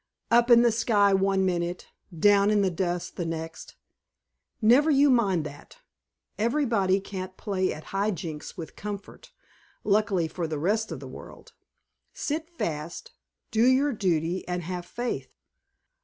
"Up in the sky one minute, down in the dust the next. Never you mind that. Everybody can't play at high jinks with comfort, luckily for the rest of the world. Sit fast, do your duty, and have faith.